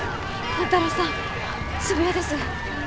万太郎さん渋谷です。